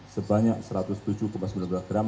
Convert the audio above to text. sebanyak satu ratus tujuh sembilan belas gram